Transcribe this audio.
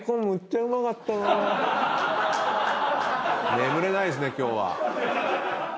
眠れないですね今日は。